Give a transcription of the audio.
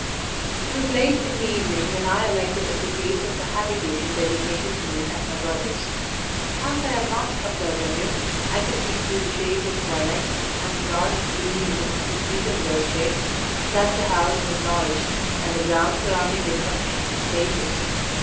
"It was late in the evening when I alighted at the gates of the habitation designated to me as my brother's. As I advanced up the avenue, I could see through the shades of twilight, and the dark gloomy mists which deepened those shades, that the house was large, and the grounds surrounding it sufficiently spacious.